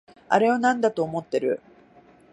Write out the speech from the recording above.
あれをなんだと思ってる？